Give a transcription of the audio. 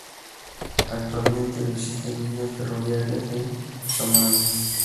Actualmente no existen líneas ferroviarias en Somalia.